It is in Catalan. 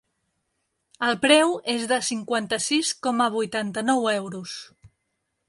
El preu és de cinquanta-sis coma vuitanta-nou euros.